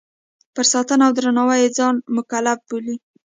پر ساتنه او درناوي یې ځان مکلف بولي.